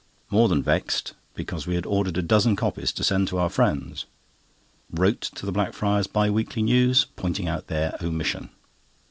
More than vexed, because we had ordered a dozen copies to send to our friends. Wrote to the Blackfriars Bi weekly News, pointing out their omission.